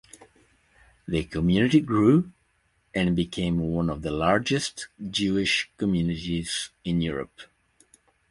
The community grew and became one of the largest Jewish communities in Europe.